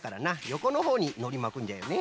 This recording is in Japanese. よこのほうにのりまくんじゃよね。